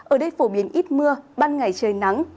ở đây phổ biến ít mưa ban ngày trời nắng